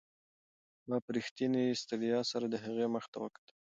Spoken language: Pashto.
ما په رښتینې ستړیا سره د هغې مخ ته وکتل.